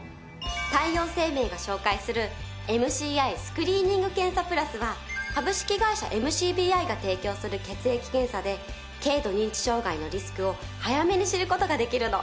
太陽生命が紹介するＭＣＩスクリーニング検査プラスは株式会社ＭＣＢＩが提供する血液検査で軽度認知障害のリスクを早めに知る事ができるの。